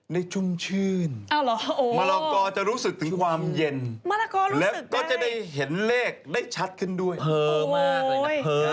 ชุ่มชื่นมะละกอจะรู้สึกถึงความเย็นแล้วก็จะได้เห็นเลขได้ชัดขึ้นด้วยเผลอมากเลยนะเผลอ